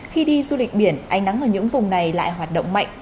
khi đi du lịch biển ánh nắng ở những vùng này lại hoạt động mạnh